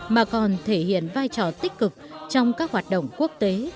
mà còn thể hiện vai trò tích cực trong các hoạt động quốc tế